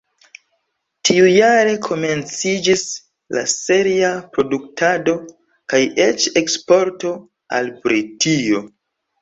Tiujare komenciĝis la seria produktado kaj eĉ eksporto al Britio.